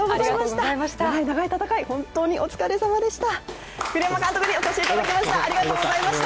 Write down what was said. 長い長い戦い、本当にお疲れさまでした。